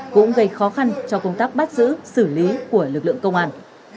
cũng gây khó khăn cho công tác bắt giữ xử lý của lực lượng công an